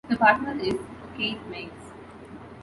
Her partner is Keith Miles.